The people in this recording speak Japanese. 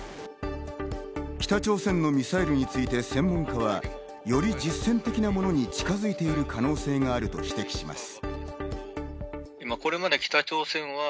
北朝鮮のミサイルについて専門家は、より実践的なものに近づいている可能性があると指摘します。